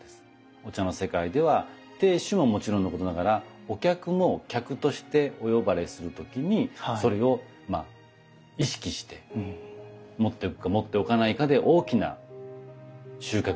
お茶の世界では亭主ももちろんのことながらお客も客としてお呼ばれする時にそれを意識して持っておくか持っておかないかで大きな収穫が違うかもしれませんね。